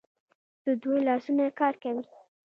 د دوی لاسونه کار کوي.